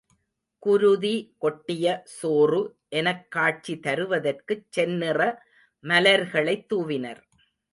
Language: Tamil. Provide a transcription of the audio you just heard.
குருதி கொட்டிய சோறு எனக்காட்சி தருவதற்குச் செந்நிற மலர்களைத் தூவினர்.